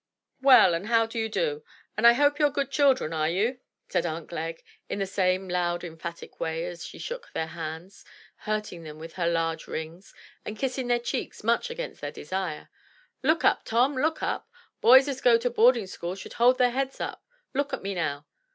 "Well, and how do you do? And I hope you're good children, are you?" said Aunt Glegg, in the same loud emphatic way as she shook their hands, hurting them with her large rings, and kissing their cheeks much against their desire. "Look up, Tom, look up. Boys as go to boarding schools should hold their heads up. Look at me now."